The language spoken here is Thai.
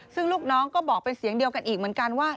ซึ่งลูกน้องก็บอกเป็นเสียงเดียวกันอีกเหมือนกันว่า